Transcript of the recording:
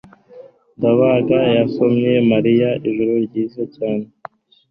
ndabaga yasomye mariya ijoro ryiza cyane